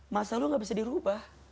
masa lo gak bisa dirubah